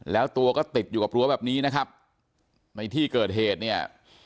แล้วตัวก็ติดอยู่กับรั้วแบบนี้นะครับในที่เกิดเหตุเนี่ย